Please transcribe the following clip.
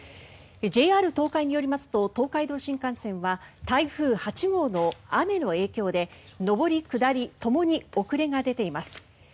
ＪＲ東海によりますと東海道新幹線は台風８号の雨の影響で上り、下りともに遅れが出ています。